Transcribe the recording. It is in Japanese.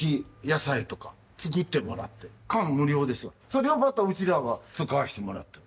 それをまたうちらが使わせてもらってる。